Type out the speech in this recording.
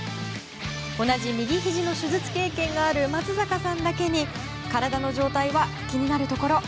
同じ右ひじの手術経験がある松坂さんだけに体の状態は気になるところ。